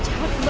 bacha banget ya